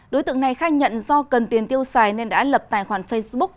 đối tượng này khai nhận do cần tiền tiêu xài nên đã lập tài khoản facebook